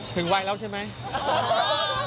ถึงวัยแล้วใช่ไหม